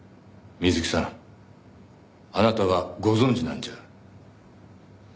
水木さんあなたはご存じなんじゃ？